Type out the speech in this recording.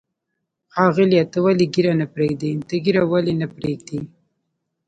ښاغلیه، ته ولې ږیره نه پرېږدې؟ ته ږیره ولې نه پرېږدی؟